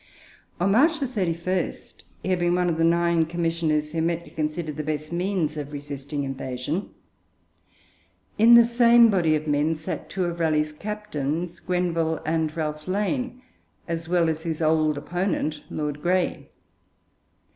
On March 31, he had been one of the nine commissioners who met to consider the best means of resisting invasion. In the same body of men sat two of Raleigh's captains, Grenville and Ralph Lane, as well as his old opponent, Lord Grey.